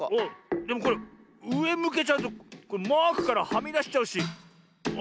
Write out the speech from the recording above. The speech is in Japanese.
でもこれうえむけちゃうとマークからはみだしちゃうしあっダメだ。